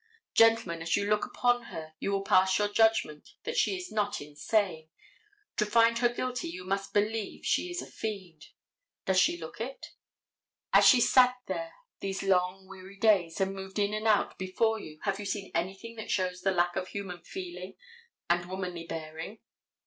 Gentlemen, as you look upon her you will pass your judgment that she is not insane. To find her guilty you must believe she is a fiend. Does she look it? As she sat here these long, weary days and moved in and out before you have you seen anything that shows the lack of human feeling and womanly bearing.